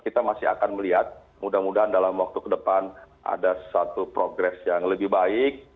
kita masih akan melihat mudah mudahan dalam waktu ke depan ada satu progres yang lebih baik